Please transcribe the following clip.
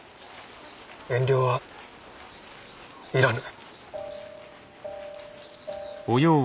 遠慮はいらぬ。